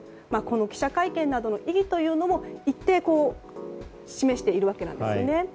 記者会見などの意義も一定、示しているわけなんです。